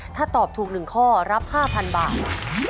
ถ้าตอบถูก๑ข้อรับ๕๐๐๐บาท